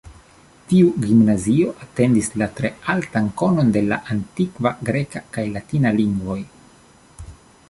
Tiu gimnazio atendis la tre altan konon de la antikva greka kaj latina lingvoj.